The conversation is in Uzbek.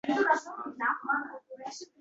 shundan so‘ng vazirlik xodimlarini vaqtini olib